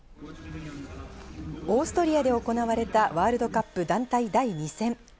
オーストリアで行われたワールドカップ団体第２戦。